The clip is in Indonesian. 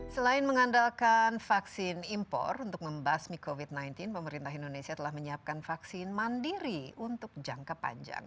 selain mengandalkan vaksin impor untuk membasmi covid sembilan belas pemerintah indonesia telah menyiapkan vaksin mandiri untuk jangka panjang